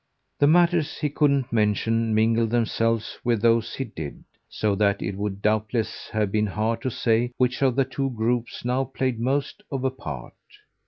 The matters he couldn't mention mingled themselves with those he did; so that it would doubtless have been hard to say which of the two groups now played most of a part.